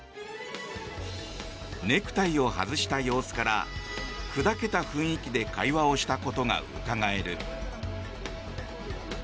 ネクタイを外した様子から砕けた雰囲気で会話をしたことがうかがえる。